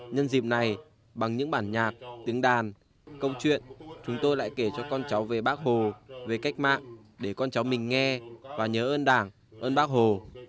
nhân dịp này bằng những bản nhạc tiếng đàn câu chuyện chúng tôi lại kể cho con cháu về bác hồ về cách mạng để con cháu mình nghe và nhớ ơn đảng ơn bác hồ